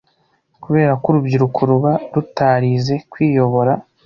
Kubera ko urubyiruko ruba rutarize kwiyobora